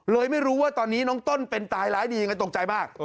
ไม่รู้ว่าตอนนี้น้องต้นเป็นตายร้ายดียังไงตกใจมาก